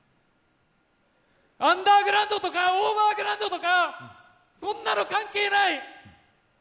アンダーグラウンドとかオーバーグラウンドとか、そんなの関係ない。